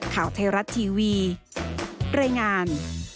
ข่าวไทยรัตน์ทีวีเร่งาน